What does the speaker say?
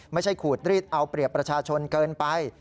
ขูดรีดเอาเปรียบประชาชนเกินไป